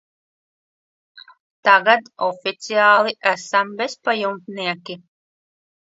Tagad oficiāli esam bezpajumtnieki.